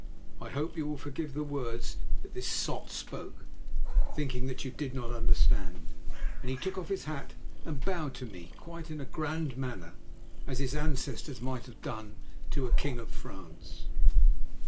I hope you will forgive the words this sot spoke, thinking that you did not understand," and he took off his hat and bowed to me quite in a grand manner, as his ancestors might have done to a king of France.